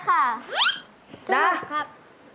เสียบรรยาภาพ